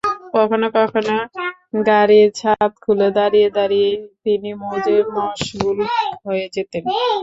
কখনো কখনো গাড়ির ছাদ খুলে দাঁড়িয়ে দাঁড়িয়েই তিনি মৌজে মশগুল হয়ে যেতেন।